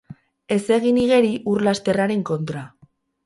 Ez egin igeri ur-lasterraren kontra.